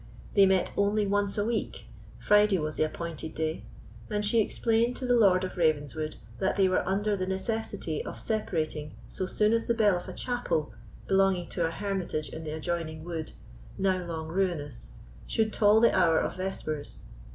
They met only once a week—Friday was the appointed day—and she explained to the Lord of Ravenswood that they were under the necessity of separating so soon as the bell of a chapel, belonging to a hermitage in the adjoining wood, now long ruinous, should toll the hour of vespers.